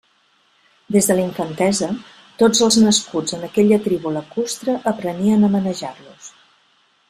Des de la infantesa, tots els nascuts en aquella tribu lacustre aprenien a manejar-los.